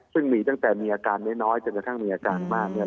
ซึ่งมีตั้งแต่มีอาการน้อยจนกระทั่งมีอาการมากเนี่ย